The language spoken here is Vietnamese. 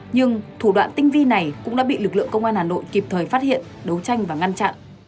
nhưng thủ đoạn tinh vi này cũng đã bị lực lượng công an hà nội kịp thời phát hiện đấu tranh và ngăn chặn